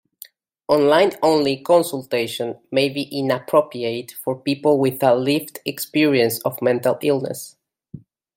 Online-only consultation may be inappropriate for people with a lived experience of mental illness.